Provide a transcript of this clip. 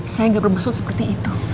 saya nggak bermaksud seperti itu